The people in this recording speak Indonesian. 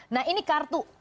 nah ini kartu